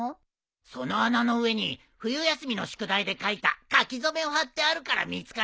その穴の上に冬休みの宿題で書いた書き初めを貼ってあるから見つかりっこないんだ。